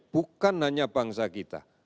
bukan hanya bangsa kita